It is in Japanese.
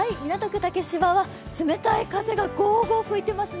竹芝は冷たい風がごーごー吹いていますね。